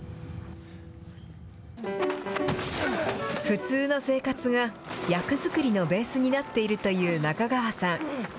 普通の生活が役作りのベースになっているという中川さん。